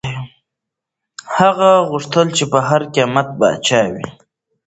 هغه غوښتل چي په هر قیمت پاچا وي.